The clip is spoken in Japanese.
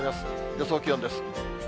予想気温です。